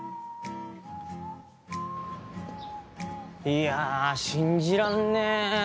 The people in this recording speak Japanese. いやぁ信じらんねえ！